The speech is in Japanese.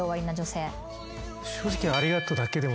正直。